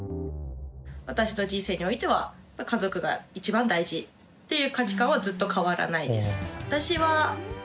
私の人生においてはっていう価値観はずっと変わらないです。